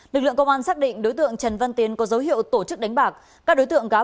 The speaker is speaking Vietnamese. lực lượng công an xác định đối tượng trần văn tiến có dấu hiệu tổ chức đánh bạc